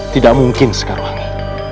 tidak mungkin segarwangi